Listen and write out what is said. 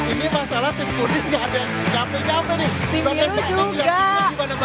ini masalah tim kuning gak ada yang nyampe nyampe nih